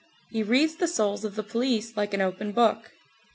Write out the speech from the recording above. He reads the souls of the police like an open book.